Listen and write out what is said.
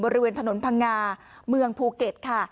บริเวณถนนพังงาเมืองภูเก็ตค่ะ